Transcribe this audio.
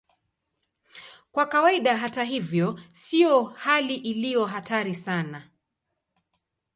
Kwa kawaida, hata hivyo, sio hali iliyo hatari sana.